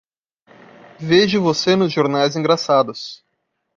Vejo você nos jornais engraçados.